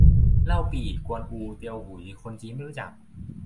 เล่าปี่ กวนอู เตียวหุย คนจีนไม่รู้จัก